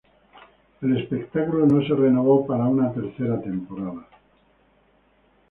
El espectáculo no se renovó para una tercera temporada.